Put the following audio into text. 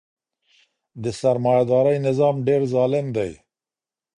د سرمایه دارۍ نظام ډیر ظالم دی.